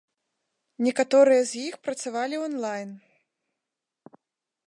Некаторыя з іх працавалі онлайн.